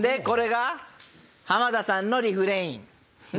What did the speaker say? これが浜田さんのリフレイン。